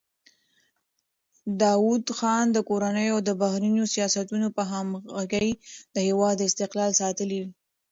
داوود خان د کورنیو او بهرنیو سیاستونو په همغږۍ د هېواد استقلال ساتلی و.